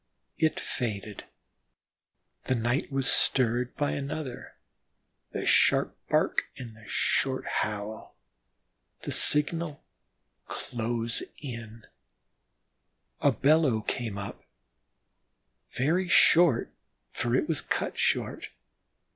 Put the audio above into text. It faded, the night was stirred by another, the sharp bark and the short howl, the signal "close in"; a bellow came up, very short, for it was cut short.